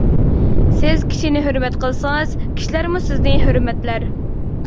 سىز كىشىنى ھۆرمەت قىلسىڭىز، كىشىلەرمۇ سىزنى ھۆرمەتلەر.